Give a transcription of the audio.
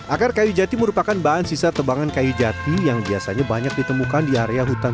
akar kayu jati merupakan bahan sisa tebangan kayu jati yang biasanya banyak ditemukan di area hutan